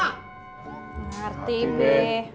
gak arti be